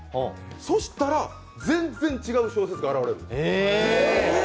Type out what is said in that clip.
そうしたら全然違う小説が現れるんですよ。